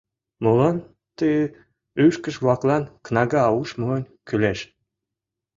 Молан ты ӱшкыж-влаклан кнага уш монь кӱлеш?